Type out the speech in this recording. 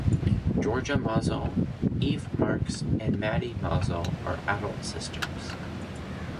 Georgia Mozell, Eve Marks and Maddy Mozell are adult sisters.